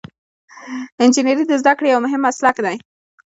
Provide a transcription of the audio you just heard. انجنیری د زده کړې یو مهم مسلک دی.